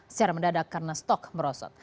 secara mendadak karena stok merosot